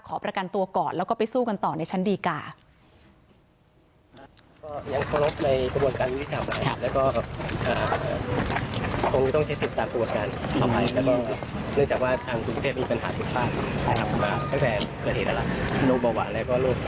ขอประกันตัวก่อนแล้วก็ไปสู้กันต่อในชั้นดีกา